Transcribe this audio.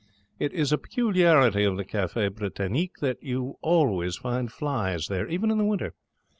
It is a peculiarity of the Cafe Britannique that you will always find flies there, even in winter.